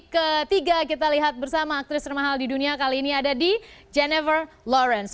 ketiga kita lihat bersama aktris termahal di dunia kali ini ada di jennifer lawrence